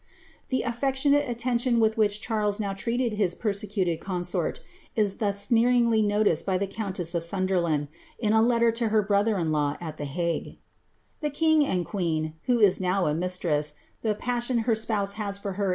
* Tiie affectionate attention with which Charles now treated his perM^ cuted consort is thus sneeriiigly noticed by the countess of Sunderlandi in a letter to her brother in law at the Hague : ^The king and queeo— who is now a mistress, the passion her spouse has for her.